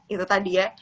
itu tadi ya